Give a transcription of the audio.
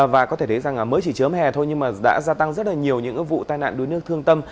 và có thể thấy rằng mới chỉ chớm hè thôi nhưng mà đã gia tăng rất là nhiều những vụ tai nạn đuối nước thương tâm